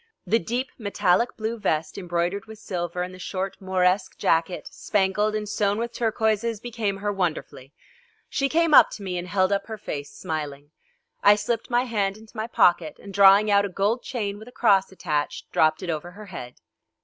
The deep metallic blue vest embroidered with silver and the short Mauresque jacket spangled and sewn with turquoises became her wonderfully. She came up to me and held up her face smiling. I slipped my hand into my pocket, and drawing out a gold chain with a cross attached, dropped it over her head.